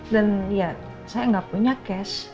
dan ya saya gak punya cash